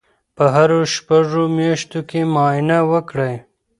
په هرو شپږو میاشتو کې معاینه وکړئ.